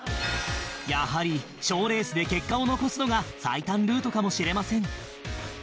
やはり賞レースで結果を残すのが最短ルートかもしれません